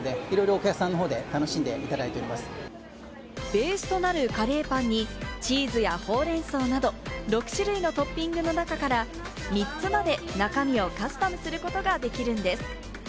ベースとなるカレーパンにチーズや、ほうれん草など６種類のトッピングの中から３つまで中身をカスタムすることができるんです。